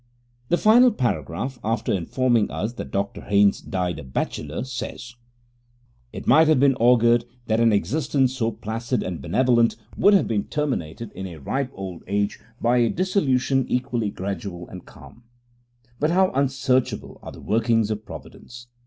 The final paragraph, after informing us that Dr Haynes died a bachelor, says: It might have been augured that an existence so placid and benevolent would have been terminated in a ripe old age by a dissolution equally gradual and calm. But how unsearchable are the workings of Providence!